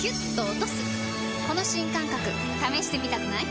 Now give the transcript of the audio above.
この新感覚試してみたくない？